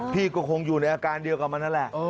พี่ก็คงอยู่ในอาการเดียวกับมันนั่นแหละ